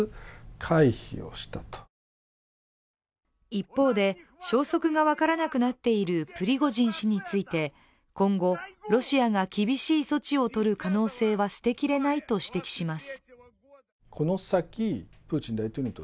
一方で消息が分からなくなっているプリゴジン氏について今後、ロシアが厳しい措置を取る可能性は捨てきれないと指摘します。